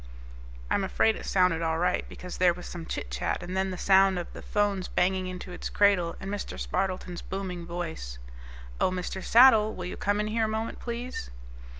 I am afraid it sounded all right, because there was some chitchat and then the sound of the phone's banging into its cradle, and Mr. Spardleton's booming voice, "Oh, Mr. Saddle. Will you come in here a moment, please?"